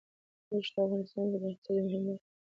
اوښ د افغانستان د اقتصاد یوه مهمه برخه ده.